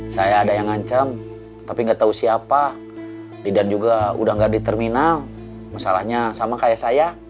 saya ada yang ngancam tapi gak tau siapa lidan juga udah gak di terminal masalahnya sama kayak saya